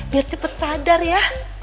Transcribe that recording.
biar cepet sadar ya